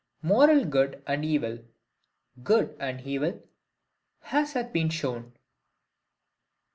Moral Good and Evil. Good and evil, as hath been shown, (B.